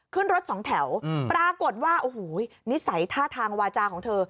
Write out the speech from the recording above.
ขึ้นรถสองแถวปรากฏว่าโอ้โหนิสัยท่าทางวาจาของเธอ